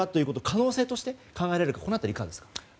可能性として考えられるのはいかがですか？